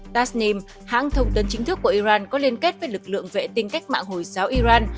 tasnim hãng thông tấn chính thức của iran có liên kết với lực lượng vệ tinh cách mạng hồi giáo iran